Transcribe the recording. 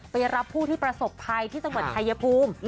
ไปรับผู้ที่ประสบภัยที่จังหวัดชายภูมิ